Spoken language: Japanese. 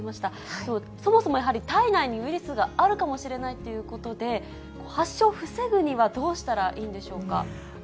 でも、そもそもやはり、体内にウイルスがあるかもしれないということで、発症を防ぐにはどうしたらいいんでしょうか。